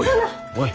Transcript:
おい。